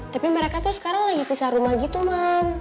tapi mereka tuh sekarang lagi pisah rumah gitu ma